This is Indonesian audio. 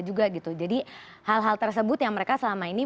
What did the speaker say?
jadi hal hal tersebut yang mereka selama ini